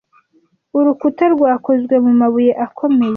Urukuta rwakozwe mu mabuye akomeye.